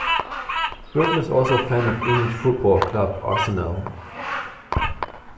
Burton is also a fan of English football club Arsenal.